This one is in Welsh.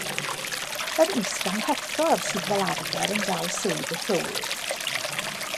Yr is-ganghellor sydd fel arfer yn dal swydd y llywydd.